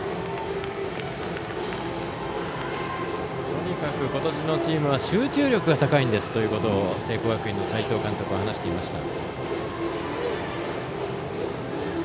とにかく今年のチームは集中力が高いんですということを聖光学院の斎藤監督は話していました。